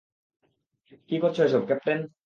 কী করছো এসব, ক্যাপ্টেন?